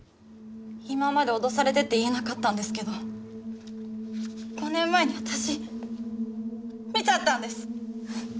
今まで脅されてて言えなかったんですけど５年前に私見ちゃったんです。